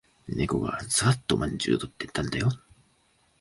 猫がささっとまんじゅうを取ってったんだよ。